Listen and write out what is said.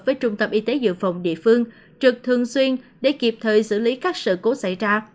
với trung tâm y tế dự phòng địa phương trực thường xuyên để kịp thời xử lý các sự cố xảy ra